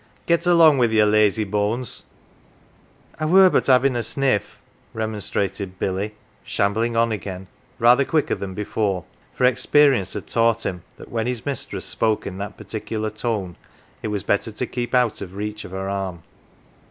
" Get along with ye, lazy bones !"" I were but bavin 1 a sniff'," remonstrated Billy, shambling on again, rather quicker than before ; for experience had taught him that when his mistress spoke in that particular tone it was better to keep out of reach of her arm.